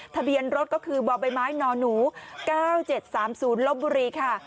ทะเบียนรถก็คือบ่อใบไม้นหนู๙๗๓๐ลบบุรีค่ะ